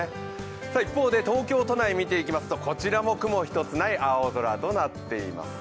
一方で東京都内見ていきますとこちらも雲一つない青空となっています。